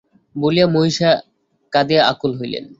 বলিয়া মহিষী কাঁদিয়া আকুল হইলেন।